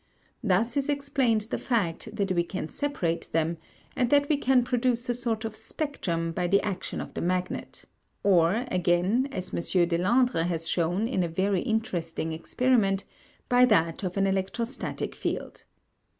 Thus is explained the fact that we can separate them and that we can produce a sort of spectrum by the action of the magnet, or, again, as M. Deslandres has shown in a very interesting experiment, by that of an electrostatic field.